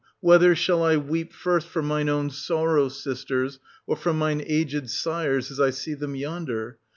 Whether shall I weep first for mine own sorrows, sisters, or for mine aged sire's, as I see them yonder